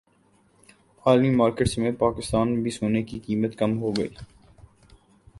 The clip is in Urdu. عالمی مارکیٹ سمیت پاکستان میں بھی سونے کی قیمت کم ہوگئی